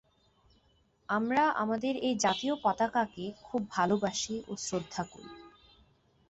আমরা আমাদের এ জাতীয় পতাকাকে খুব ভালােবাসি ও শ্রদ্ধা করি।